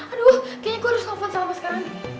aduh kayaknya gue harus ngefan sama sekarang